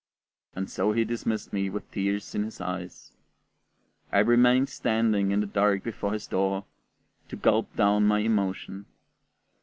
And so he dismissed me with tears in his eyes. I remained standing in the dark before his door, to gulp down my emotion.